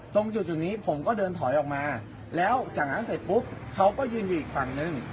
ตรงจุดนี้ผมก็เดินถอยออกมาแล้วจากนั้นเสร็จปุ๊บเขาก็ยืนอยู่อีกฝั่งนึง